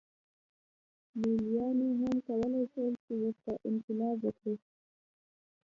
لېلیانو هم کولای شول چې ورته انقلاب وکړي.